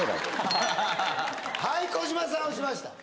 はい児嶋さん押しました